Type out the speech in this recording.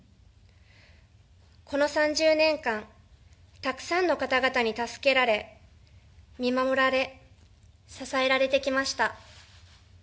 この３０年間、たくさんの方々に助けられ、見守られ、支えられてきました。